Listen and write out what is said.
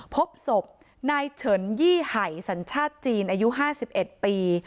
พบศพนายเฉินยี่ไห่สัญชาติจีนอายุ๕๑ปี